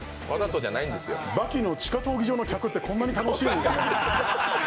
刃牙の地下闘技場の客ってこんなに楽しいんですね。